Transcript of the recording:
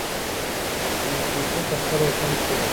نېکمرغي په خپل وطن کي پیدا کیږي.